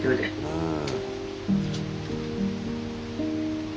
うん。